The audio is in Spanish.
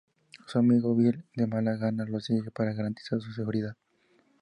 Su amigo, Bill, de mala gana lo sigue para garantizar su seguridad.